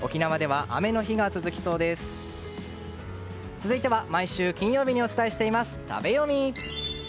続いては毎週金曜日にお伝えしています食べヨミ。